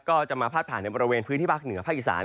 ก็จะมาพาดผ่านในบริเวณพื้นที่ภาคเหนือภาคอีสาน